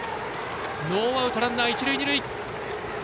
ノーアウトランナー、一塁二塁。